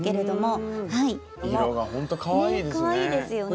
色がほんとかわいいですね。